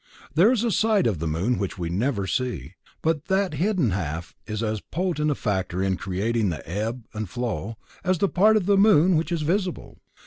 There is a side of the moon which we never see, but that hidden half is as potent a factor in creating the ebb and flow, as the part of the moon which is visible.